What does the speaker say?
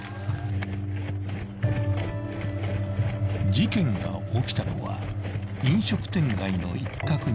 ［事件が起きたのは飲食店街の一角にある居酒屋］